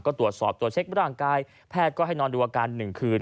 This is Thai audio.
ก็ตรวจสอบตรวจเช็คร่างกายแพทย์ก็ให้นอนดูอาการ๑คืน